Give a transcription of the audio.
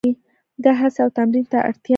دا هڅې او تمرین ته اړتیا لري.